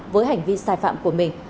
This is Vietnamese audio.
với hành vi sai phạm của mình